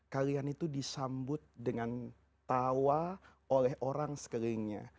kalian itu disambut dengan tawa oleh orang sekelilingnya